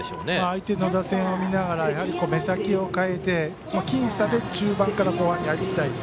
相手の打線を見ながら目先を変えて僅差で中盤から後半に入っていきたい。